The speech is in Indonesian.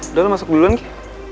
udah lo masuk duluan ki